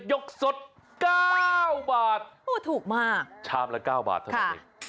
ยกสด๙บาทชามละ๙บาทเท่าไหร่ถูกมาก